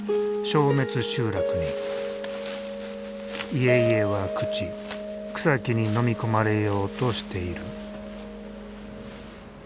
家々は朽ち草木にのみ込まれようとしている。